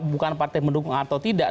bukan partai mendukung atau tidak